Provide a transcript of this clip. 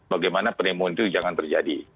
bagaimana pneumon itu jangan terjadi